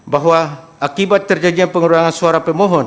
bahwa akibat terjadinya pengurangan suara pemohon